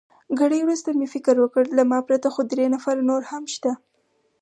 ګړی وروسته مې فکر وکړ، له ما پرته خو درې نفره نور هم شته.